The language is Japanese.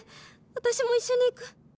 私も一緒に逝く！」。